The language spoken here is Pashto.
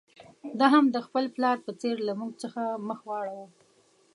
ده هم د خپل پلار په څېر له موږ څخه مخ واړاوه.